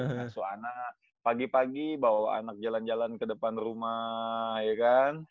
masuk anak pagi pagi bawa anak jalan jalan ke depan rumah ya kan